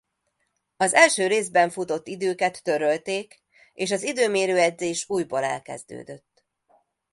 Az első részben futott időket törölték és az időmérő edzés újból elkezdődött.